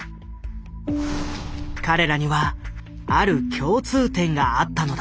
彼らにはある共通点があったのだ。